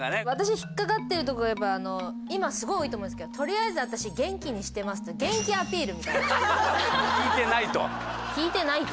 私引っかかってるとこがやっぱ今すごい多いと思うんですけど「とりあえずあたし元気にしてます」っていう元気アピールみたいな。